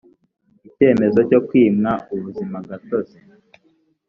icyemezo cyo kwimwa ubuzimagatozi